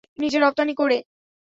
নিজে রপ্তানী করে।